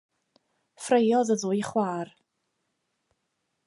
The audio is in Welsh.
Ffraeodd y ddwy chwaer.